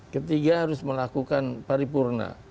ketiga harus melakukan paripurna